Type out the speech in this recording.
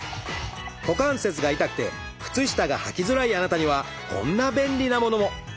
股関節が痛くて靴下がはきづらいあなたにはこんな便利なものも。